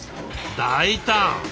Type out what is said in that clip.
大胆！